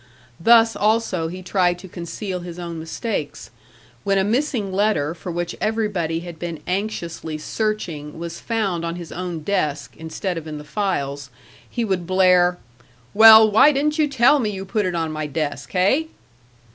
Thus also he tried to conceal his own mistakes; when a missing letter for which everybody had been anxiously searching was found on his own desk, instead of in the files, he would blare, "Well, why didn't you tell me you put it on my desk, heh?"